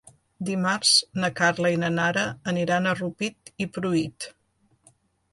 Dimarts na Carla i na Nara aniran a Rupit i Pruit.